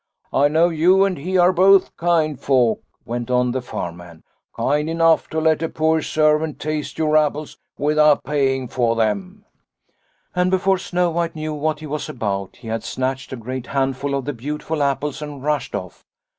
"' I know you and he are both kind folk,' went on the farm man ;' kind enough to let a poor servant taste your apples without paying for them.' Snow White 77 " And before Snow White knew what he was about, he had snatched a great handful of the beautiful apples and rushed off.